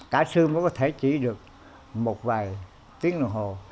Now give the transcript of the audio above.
cả sư mới có thể chỉ được một vài tiếng đồng hồ